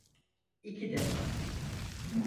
İki defa.